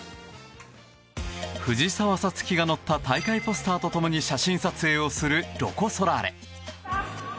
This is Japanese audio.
藤澤五月が載った大会ポスターと共に写真撮影をするロコ・ソラーレ。